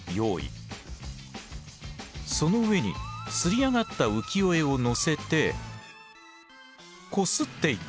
その上に刷り上がった浮世絵をのせてこすっていく。